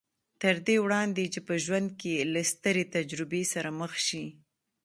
تر دې وړاندې چې په ژوند کې له سترې تجربې سره مخ شي